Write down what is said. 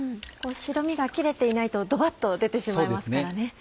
白身が切れていないとドバっと出てしまいますからね。